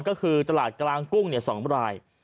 ก็คือตลาดกลางกุ้ง๒ราย